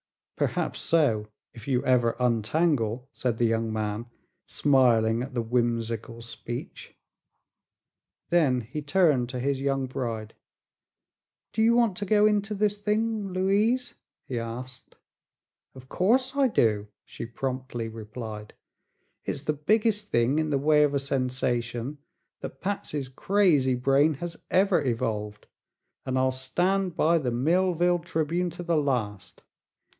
"Perhaps so if you ever untangle," said the young man, smiling at the whimsical speech. Then he turned to his young bride. "Do you want to go into this thing, Louise?" he asked. "Of course I do," she promptly replied. "It's the biggest thing in the way of a sensation that Patsy's crazy brain has ever evolved, and I'll stand by the Millville Tribune to the last.